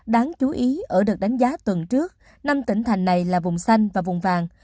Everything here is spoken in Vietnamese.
đáng chú ý ở đợt đánh giá tuần trước năm tỉnh thành này là vùng xanh và vùng vàng